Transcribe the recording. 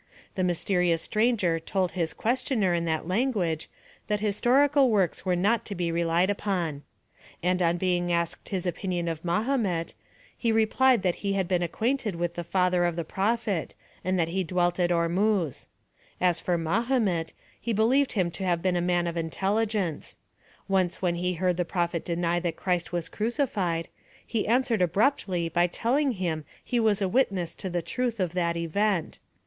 The mysterious stranger told his questioner in that language that historical works were not to be relied upon. And on being asked his opinion of Mahomet, he replied that he had been acquainted with the father of the prophet, and that he dwelt at Ormuz. As for Mahomet, he believed him to have been a man of intelligence; once when he heard the prophet deny that Christ was crucified, he answered abruptly by telling him he was a witness to the truth of that event.